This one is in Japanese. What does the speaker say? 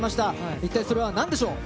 一体それは何でしょう。